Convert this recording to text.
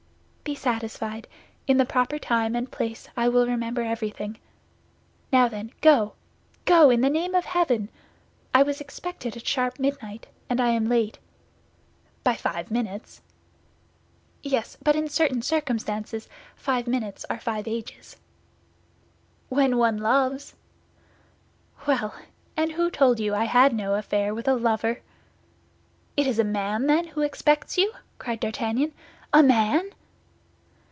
"Be satisfied. In the proper time and place I will remember everything. Now then, go, go, in the name of heaven! I was expected at sharp midnight, and I am late." "By five minutes." "Yes; but in certain circumstances five minutes are five ages." "When one loves." "Well! And who told you I had no affair with a lover?" "It is a man, then, who expects you?" cried D'Artagnan. "A man!"